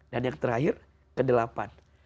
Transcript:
dan yang terakhir kedelapan